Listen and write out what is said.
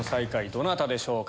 どなたでしょうか？